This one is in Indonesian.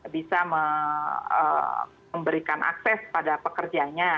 bisa memberikan akses pada pekerjanya